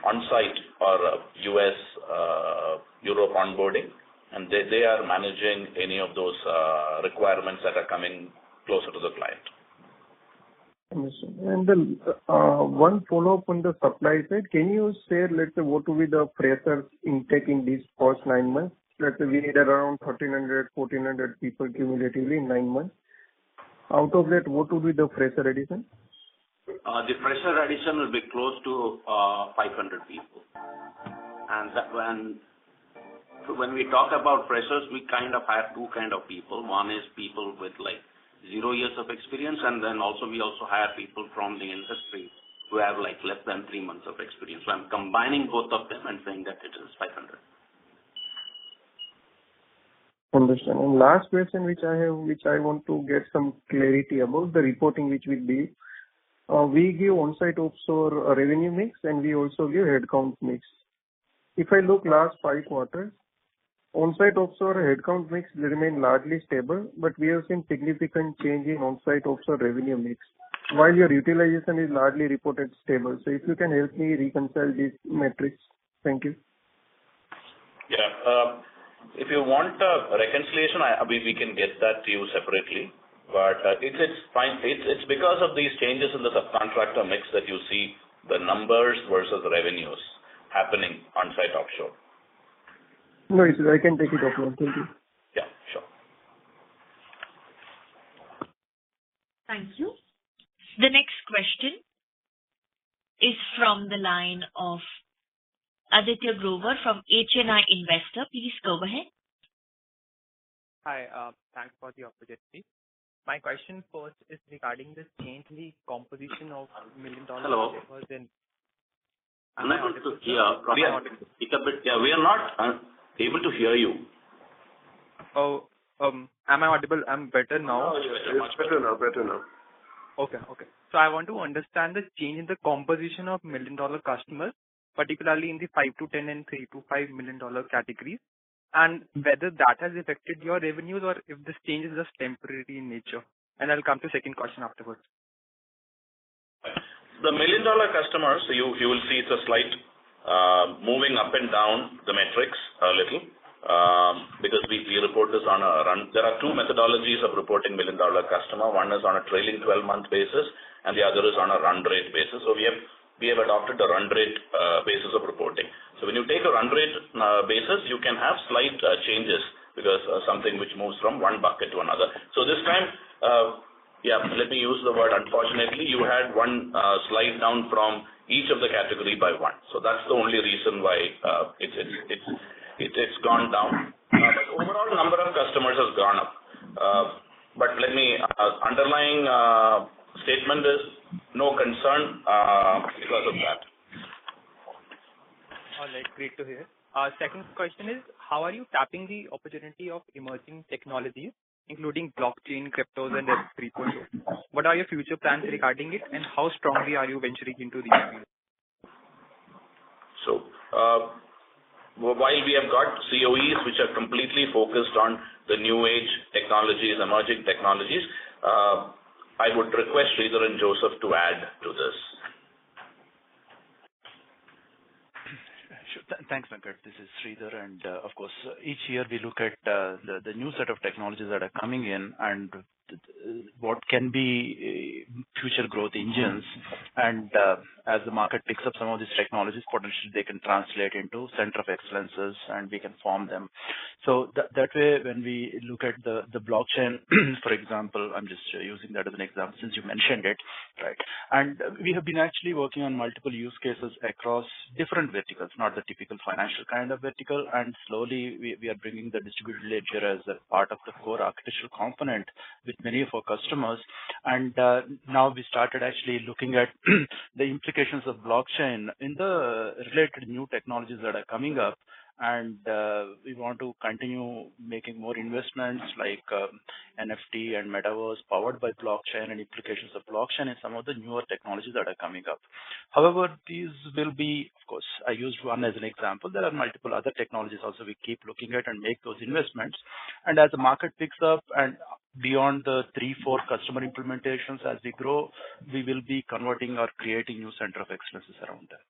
on-site or U.S. Europe onboarding, and they are managing any of those requirements that are coming closer to the client. Understood. One follow-up on the supply side. Can you share, let's say, what will be the freshers intake in this first nine months? Let's say we need around 1,300, 1,400 people cumulatively in nine months. Out of that, what would be the fresher addition? The fresher addition will be close to 500 people. When we talk about freshers, we kind of hire 2 kind of people. One is people with, like, 0 years of experience, and then also we also hire people from the industry who have, like, less than 3 months of experience. I'm combining both of them and saying that it is 500. Understand. Last question which I have, which I want to get some clarity about the reporting which will be, we give onsite-offshore revenue mix, and we also give headcount mix. If I look last five quarters, onsite-offshore headcount mix will remain largely stable, but we have seen significant change in onsite-offshore revenue mix while your utilization is largely reported stable. If you can help me reconcile these metrics. Thank you. If you want a reconciliation, we can get that to you separately. It's fine. It's because of these changes in the subcontractor mix that you see the numbers versus revenues happening onsite-offshore. No issues. I can take it off here. Thank you. Yeah, sure. Thank you. The next question is from the line of Aditya Grover from HNI Investor. Please go ahead. Hi. Thanks for the opportunity. My question first is regarding the change in the composition of million-dollar- Hello. Am I able to hear? Speak a bit louder. We are not able to hear you. Oh. Am I audible? I'm better now. Oh, yes. It's better now. I want to understand the change in the composition of million-dollar customers, particularly in the $5-10 million and $3-5 million categories, and whether that has affected your revenues or if this change is just temporary in nature. I'll come to second question afterwards. The million-dollar customers, you will see it's a slight moving up and down the metrics a little, because we report this on a run. There are two methodologies of reporting million-dollar customer. One is on a trailing twelve-month basis, and the other is on a run rate basis. We have adopted a run rate basis of reporting. When you take a run rate basis, you can have slight changes because something which moves from one bucket to another. This time, let me use the word unfortunately, you had one slide down from each of the category by one. That's the only reason why it's gone down. The overall number of customers has gone up. Let me. Underlying statement is no concern because of that. All right. Great to hear. Second question is how are you tapping the opportunity of emerging technologies, including blockchain, cryptos and Web 3.0? What are your future plans regarding it, and how strongly are you venturing into these areas? While we have got COEs which are completely focused on the new age technologies, emerging technologies, I would request Sridhar and Joseph to add to this. Sure. Thanks, Venkatraman. This is Sridhar. Of course, each year we look at the new set of technologies that are coming in and what can be future growth engines. As the market picks up some of these technologies, potentially they can translate into centers of excellence and we can form them. That way when we look at the blockchain for example, I'm just using that as an example since you mentioned it, right? We have been actually working on multiple use cases across different verticals, not the typical financial kind of vertical. Slowly we are bringing the distributed ledger as a part of the core architectural component with many of our customers. Now we started actually looking at the implications of blockchain in the related new technologies that are coming up. We want to continue making more investments like NFT and Metaverse powered by blockchain and implications of blockchain and some of the newer technologies that are coming up. However, these will be. Of course, I used one as an example. There are multiple other technologies also we keep looking at and make those investments. As the market picks up and beyond the 3-4 customer implementations as we grow, we will be converting or creating new centers of excellence around that.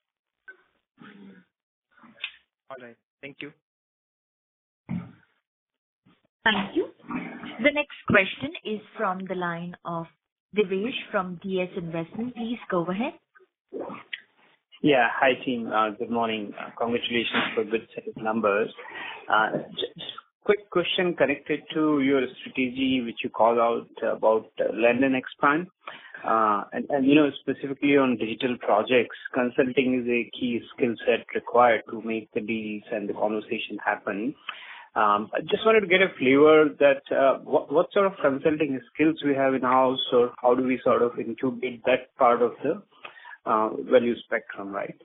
All right. Thank you. Thank you. The next question is from the line of Divesh from DS Investment. Please go ahead. Yeah. Hi, team. Good morning. Congratulations for good set of numbers. Just quick question connected to your strategy which you called out about land and expand. You know, specifically on digital projects, consulting is a key skill set required to make the deals and the conversation happen. I just wanted to get a flavor that what sort of consulting skills we have in-house, or how do we sort of include in that part of the value spectrum, right?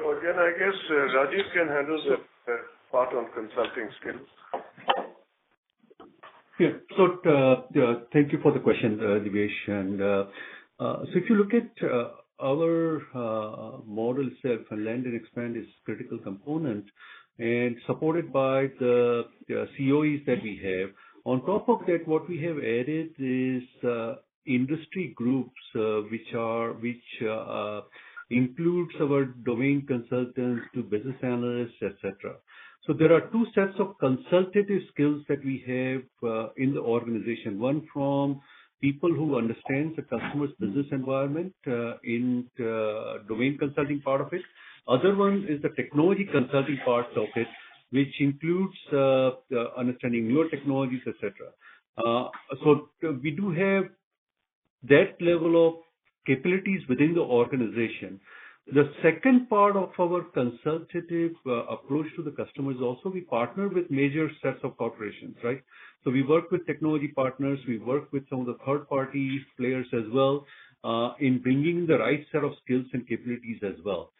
Again, I guess, Rajesh can handle the part on consulting skills. Thank you for the question, Divesh. If you look at our model itself, land and expand is critical component and supported by the COEs that we have. On top of that what we have added is industry groups, which includes our domain consultants to business analysts, et cetera. There are two sets of consultative skills that we have in the organization. One from people who understand the customer's business environment in domain consulting part of it. Other one is the technology consulting part of it, which includes understanding newer technologies, et cetera. We do have- That level of capabilities within the organization. The second part of our consultative approach to the customer is also we partner with major sets of corporations, right? We work with technology partners, we work with some of the third-party players as well, in bringing the right set of skills and capabilities as well.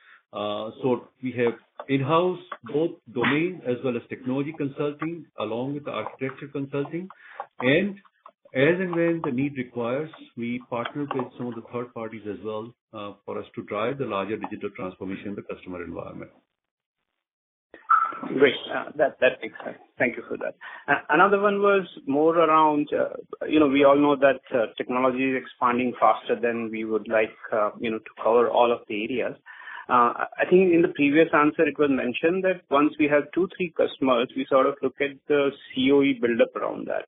We have in-house both domain as well as technology consulting, along with architecture consulting. As and when the need requires, we partner with some of the third parties as well, for us to drive the larger digital transformation in the customer environment. Great. That makes sense. Thank you for that. Another one was more around, you know, we all know that technology is expanding faster than we would like, you know, to cover all of the areas. I think in the previous answer it was mentioned that once we have two, three customers, we sort of look at the COE build-up around that.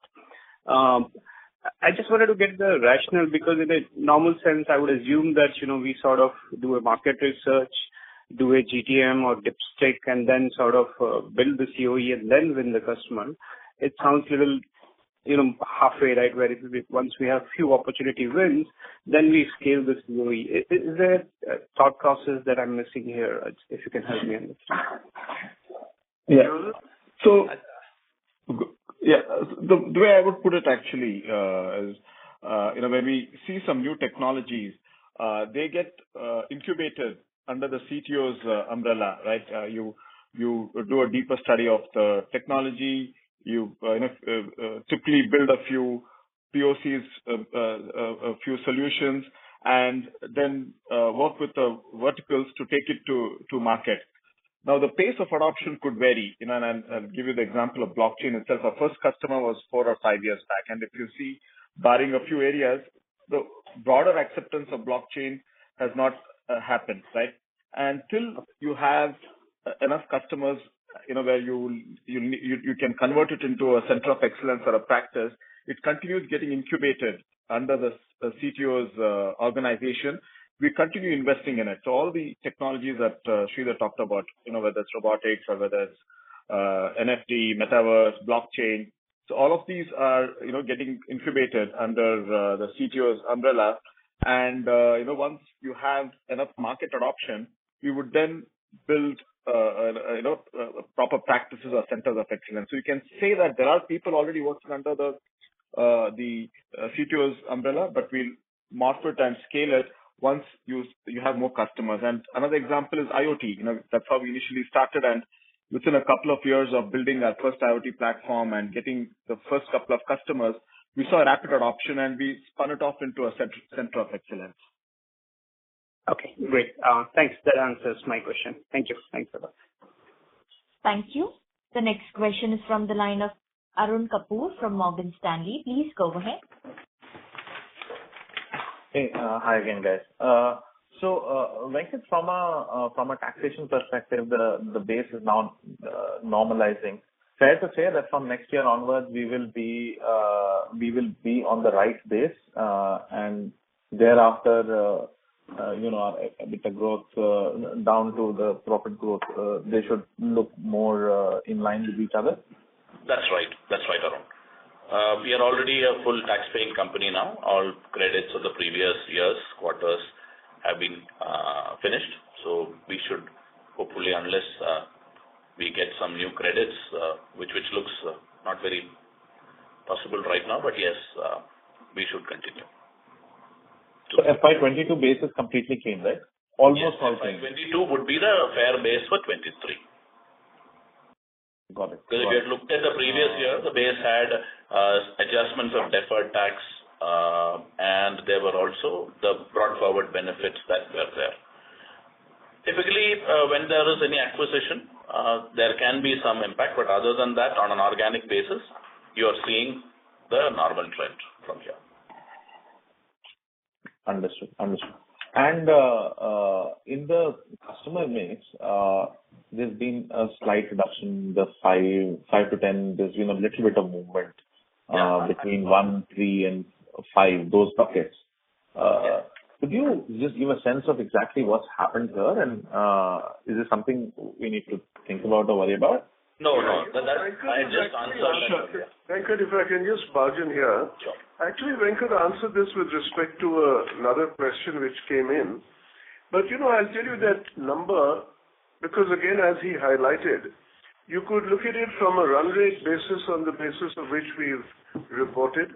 I just wanted to get the rationale because in a normal sense, I would assume that, you know, we sort of do a market research, do a GTM or dipstick and then sort of build the COE and then win the customer. It sounds a little, you know, halfway, right? Where it will be once we have few opportunity wins, then we scale this COE. Is there thought process that I'm missing here, if you can help me understand? The way I would put it actually is, you know, when we see some new technologies, they get incubated under the CTO's umbrella, right? You do a deeper study of the technology. You typically build a few POCs, a few solutions, and then work with the verticals to take it to market. Now, the pace of adoption could vary. You know, and I'll give you the example of blockchain itself. Our first customer was four or five years back, and if you see, barring a few areas, the broader acceptance of blockchain has not happened, right? Till you have enough customers, you know, where you can convert it into a center of excellence or a practice, it continues getting incubated under the CTO's organization. We continue investing in it. All the technologies that Sridhar talked about, you know, whether it's robotics or whether it's NFT, Metaverse, blockchain. All of these are, you know, getting incubated under the CTO's umbrella. You know, once you have enough market adoption, we would then build, you know, proper practices or centers of excellence. You can say that there are people already working under the CTO's umbrella, but we'll master it and scale it once you have more customers. Another example is IoT. You know, that's how we initially started, and within a couple of years of building our first IoT platform and getting the first couple of customers, we saw a rapid adoption and we spun it off into a center of excellence. Okay, great. Thanks. That answers my question. Thank you. Thanks a lot. Thank you. The next question is from the line of Arun Kapoor from Morgan Stanley. Please go ahead. Hey. Hi again, guys. Venkat, from a taxation perspective, the base is now normalizing. Fair to say that from next year onwards, we will be on the right base, and thereafter, you know, with the growth and the profit growth, they should look more in line with each other? That's right, Arun. We are already a full tax-paying company now. All credits of the previous years, quarters have been finished. We should hopefully, unless we get some new credits, which looks not very possible right now, but yes, we should continue. FY 2022 base is completely clean, right? Almost all clean. Yes. FY 2022 would be the fair base for 2023. Got it. Got it. Because if you had looked at the previous year, the base had adjustments of deferred tax, and there were also the brought forward benefits that were there. Typically, when there is any acquisition, there can be some impact, but other than that, on an organic basis, you are seeing the normal trend from here. Understood. In the customer mix, there's been a slight reduction in the 5-10. There's been a little bit of movement between 1, 3, and 5, those buckets. Could you just give a sense of exactly what's happened there? Is this something we need to think about or worry about? No, no. That I just answered. Venkat, if I can just barge in here. Sure. Actually, Venkat answered this with respect to another question which came in. You know, I'll tell you that number because again, as he highlighted, you could look at it from a run rate basis on the basis of which we've reported.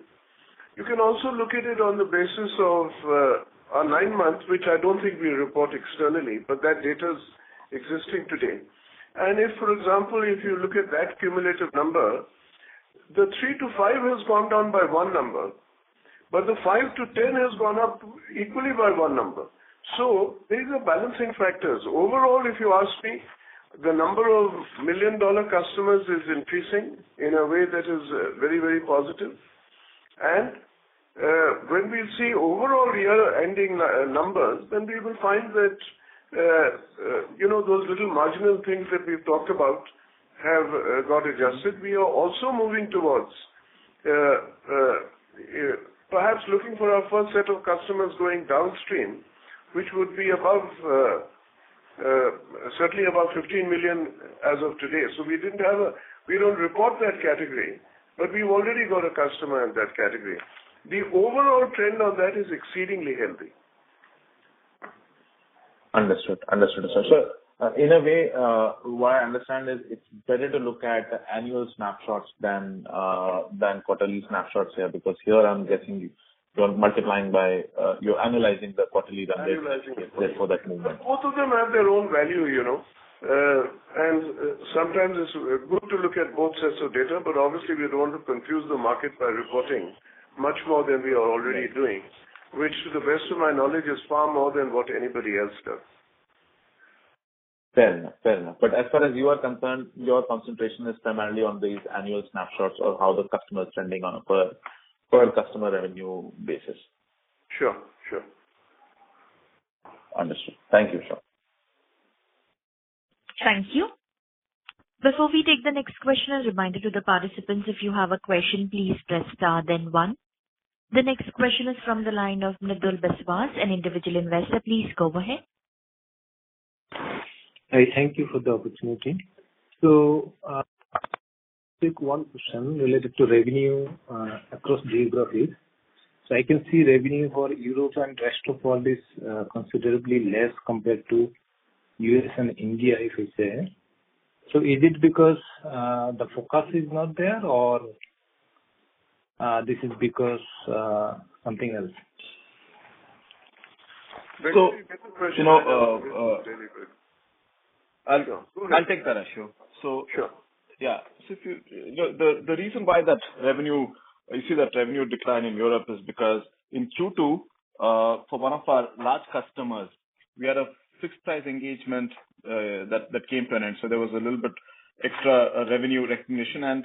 You can also look at it on the basis of our 9 months, which I don't think we report externally, but that data's existing today. If, for example, if you look at that cumulative number, the 3-5 has gone down by 1 number, but the 5-10 has gone up equally by 1 number. These are balancing factors. Overall, if you ask me, the number of million-dollar customers is increasing in a way that is very, very positive. When we see overall year-ending end numbers, then we will find that, you know, those little marginal things that we've talked about have got adjusted. We are also moving towards perhaps looking for our first set of customers going downstream, which would be above. Certainly above 15 million as of today. We don't report that category, but we've already got a customer in that category. The overall trend on that is exceedingly healthy. Understood, sir. In a way, what I understand is it's better to look at annual snapshots than quarterly snapshots here, because here I'm guessing you're analyzing the quarterly run rate. Analyzing. for that movement. Both of them have their own value, you know. Sometimes it's good to look at both sets of data, but obviously we don't want to confuse the market by reporting much more than we are already doing, which, to the best of my knowledge, is far more than what anybody else does. Fair enough. As far as you are concerned, your concentration is primarily on these annual snapshots of how the customer is trending on a per customer revenue basis. Sure. Understood. Thank you, sir. Thank you. Before we take the next question, a reminder to the participants, if you have a question, please press star then one. The next question is from the line of Mr. Baswas, an individual investor. Please go ahead. Hi. Thank you for the opportunity. Quick one question related to revenue across geographies. I can see revenue for Europe and rest of world is considerably less compared to U.S. and India, if you say. Is it because the focus is not there or this is because something else? That's a good question. You know. Really good. I'll go. Go ahead. I'll take that, Ashok. Sure. The reason why you see that revenue decline in Europe is because in Q2, for one of our large customers, we had a fixed price engagement that came to an end. There was a little bit extra revenue recognition, and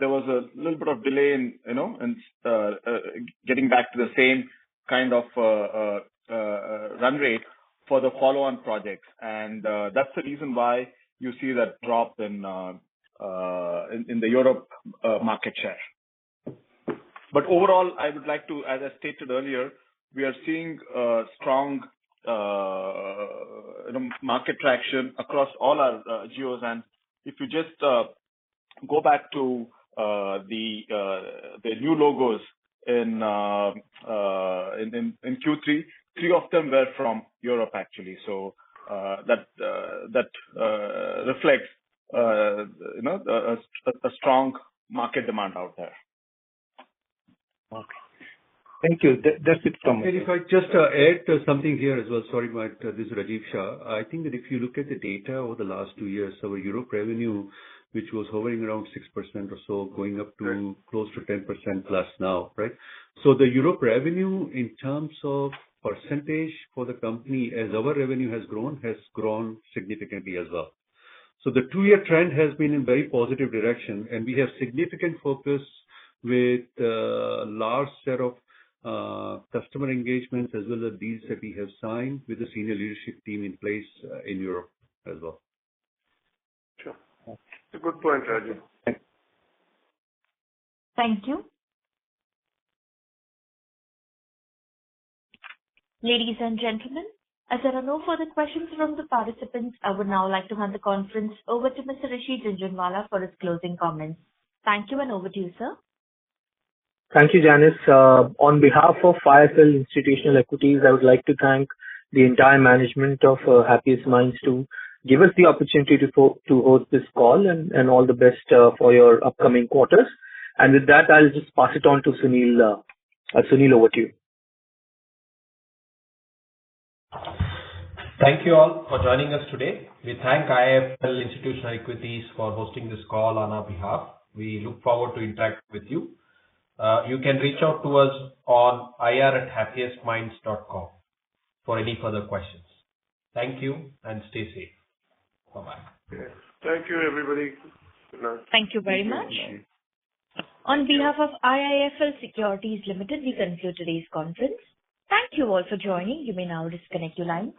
there was a little bit of delay in, you know, getting back to the same kind of run rate for the follow-on projects. That's the reason why you see that drop in the European market share. Overall, I would like to, as I stated earlier, we are seeing strong market traction across all our geos. If you just go back to the new logos in Q3, three of them were from Europe, actually. That reflects you know a strong market demand out there. Okay. Thank you. That's it from me. If I just add something here as well. Sorry, Mike. This is Rajiv Shah. I think that if you look at the data over the last two years, our Europe revenue, which was hovering around 6% or so, going up to close to 10%+ now, right? The Europe revenue in terms of percentage for the company, as our revenue has grown, has grown significantly as well. The two-year trend has been in very positive direction, and we have significant focus with a large set of customer engagements as well as deals that we have signed with the senior leadership team in place in Europe as well. Sure. It's a good point, Rajiv. Thanks. Thank you. Ladies and gentlemen, as there are no further questions from the participants, I would now like to hand the conference over to Mr. Rishi Jhunjhunwala for his closing comments. Thank you, and over to you, sir. Thank you, Janice. On behalf of IIFL Institutional Equities, I would like to thank the entire management of Happiest Minds to give us the opportunity to host this call, and all the best for your upcoming quarters. With that, I'll just pass it on to Sunil. Sunil, over to you. Thank you all for joining us today. We thank IIFL Institutional Equities for hosting this call on our behalf. We look forward to interact with you. You can reach out to us on ir@happiestminds.com for any further questions. Thank you, and stay safe. Bye-bye. Thank you, everybody. Good night. Thank you very much. Thank you. On behalf of IIFL Securities Limited, we conclude today's conference. Thank you all for joining. You may now disconnect your lines.